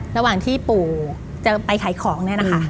ระหว่างที่ปู่จะไปขายของ